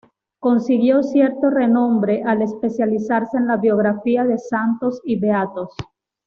Consiguió cierto renombre al especializarse en la biografía de santos y beatos.